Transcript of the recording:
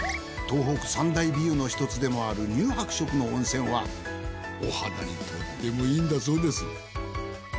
東北三大美湯の一つでもある乳白色の温泉はお肌にとってもいいんだそうです。